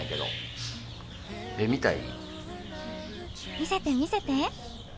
見せて、見せて。